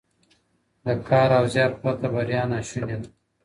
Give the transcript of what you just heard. د کار او زيار پرته بريا ناشونې ده.